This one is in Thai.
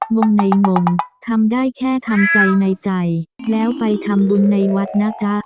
งงในงงทำได้แค่ทำใจในใจแล้วไปทำบุญในวัดนะจ๊ะ